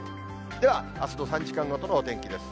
では、あすの３時間ごとのお天気です。